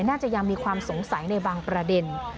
น่าจะยังมีความสงสัยในบางประเด็น